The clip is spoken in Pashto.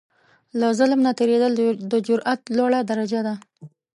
له ظلم نه تېرېدل، د جرئت لوړه درجه ده.